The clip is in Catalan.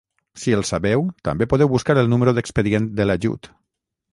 Si el sabeu, també podeu buscar el número d'expedient de l'ajut.